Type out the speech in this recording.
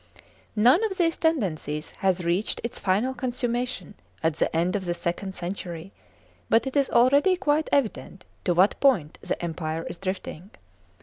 None of these tendencies has reached its final consummation at the end of the second century, but it is already quite evident to what point the Empire is drifting.